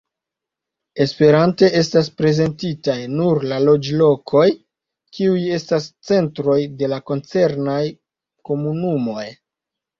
Esperante estas prezentitaj nur la loĝlokoj, kiuj estas centroj de la koncernaj komunumoj.